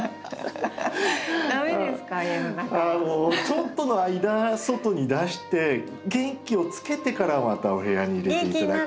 ちょっとの間外に出して元気をつけてからまたお部屋に入れて頂く。